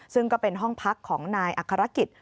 ซึ่งก็เป็นห้องพักของนายอัครกิจ